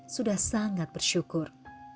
sudah sangat bersyukur